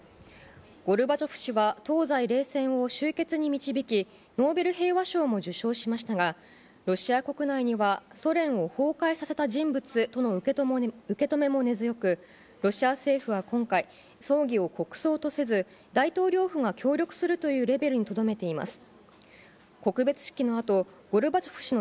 ゴルバチョフ氏は東西冷戦を終結に導き、ノーベル平和賞も受賞しましたが、ロシア国内には、ソ連を崩壊させた人物との受け止めも根強く、ロシア政府は今回、葬儀を国葬とせず、大統領府が協力するというレベルにとどめてい速報です。